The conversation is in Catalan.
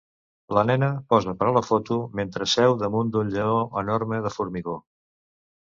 La nena posa per a la foto mentre seu damunt d'un lleó enorme de formigó.